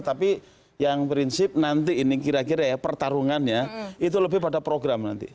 tapi yang prinsip nanti ini kira kira ya pertarungannya itu lebih pada program nanti